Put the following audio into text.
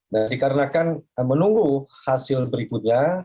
nah dikarenakan menunggu hasil berikutnya